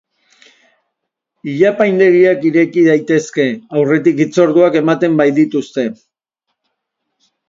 Ile-apaindegiak ireki daitezke, aurretik hitzorduak ematen badituzte.